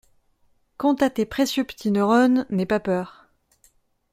Quant à tes précieux petits neurones : n’aie pas peur…